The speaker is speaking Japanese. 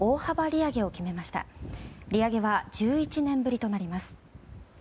利上げは１１年ぶりとなります。